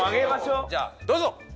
じゃあどうぞ！